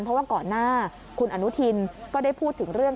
เพราะว่าก่อนหน้าคุณอนุทินก็ได้พูดถึงเรื่อง